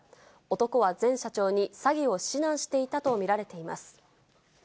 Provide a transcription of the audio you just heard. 男は前社長に詐欺を指南していたと見られています。